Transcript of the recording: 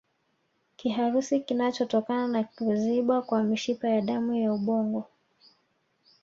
Kiharusi kinachotokana na kuziba kwa mishipa ya damu ya ubongo